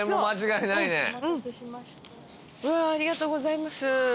ありがとうございます。